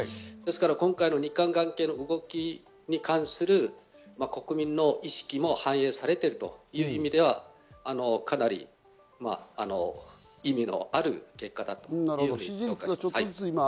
今回の日韓関係の動きに関する国民の意識も反映されているという意味ではかなり意味のある結果だと思います。